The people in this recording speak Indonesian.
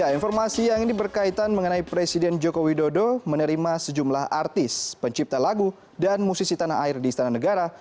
informasi yang ini berkaitan mengenai presiden joko widodo menerima sejumlah artis pencipta lagu dan musisi tanah air di istana negara